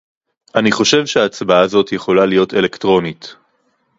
אני חושב שההצבעה הזאת יכולה להיות אלקטרונית